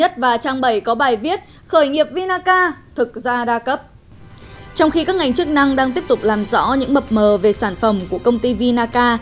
trong khi các ngành chức năng đang tiếp tục làm rõ những bập mờ về sản phẩm của công ty vinaca